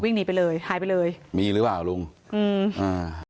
หนีไปเลยหายไปเลยมีหรือเปล่าลุงอืมอ่า